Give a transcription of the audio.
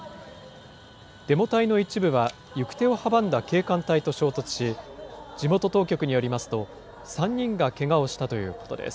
デモ隊の一部は行く手を阻んだ警官隊と衝突し、地元当局によりますと、３人がけがをしたということです。